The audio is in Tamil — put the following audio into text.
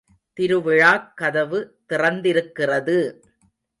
திருவிழாக் கதவு திறந்திருக்கிறது!